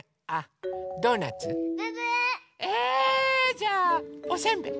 じゃあおせんべい。